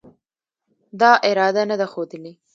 دا اراده نه ده ښودلې